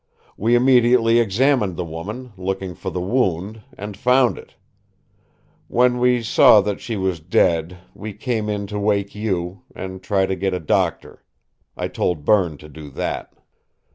We immediately examined the woman, looking for the wound, and found it. When we saw she was dead, we came in to wake you and try to get a doctor. I told Berne to do that."